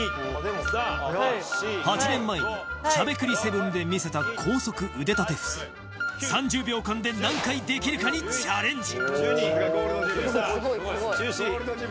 ８年前に『しゃべくり００７』で見せた高速腕立て伏せ３０秒間で何回できるかにチャレンジ